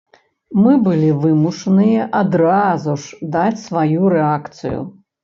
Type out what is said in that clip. Мы былі вымушаныя адразу ж даць сваю рэакцыю.